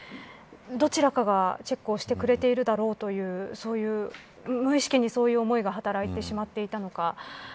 どちらかがチェックをしてくれているだろうという無意識に、そういう思いが働いてしまったのか。